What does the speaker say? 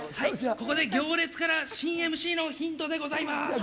ここで行列から、新ＭＣのヒントでございます。